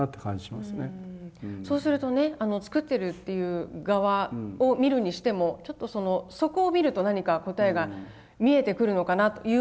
そうするとね作ってるっていう側を見るにしてもちょっとそのそこを見ると何か答えが見えてくるのかなということでですね